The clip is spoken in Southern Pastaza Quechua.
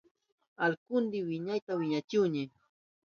Allkuyni maykanta wiñachihuni.